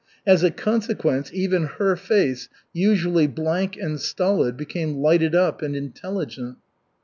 As a consequence, even her face, usually blank and stolid, became lighted up and intelligent.